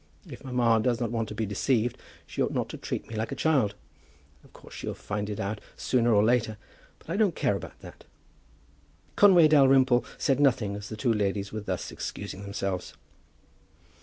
If mamma does not want to be deceived, she ought not to treat me like a child. Of course she'll find it out sooner or later; but I don't care about that." Conway Dalrymple said nothing as the two ladies were thus excusing themselves.